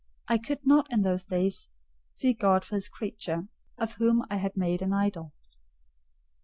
I could not, in those days, see God for His creature: of whom I had made an idol.